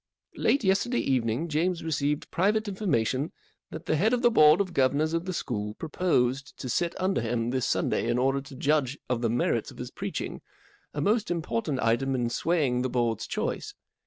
44 Late yesterday evening James received private information that the head of the Board of Governors of the school proposed to sit under him this Sunday in order to judge of the merits of his preaching, a most important item in swaying the Board's choice.